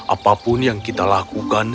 apapun yang kita lakukan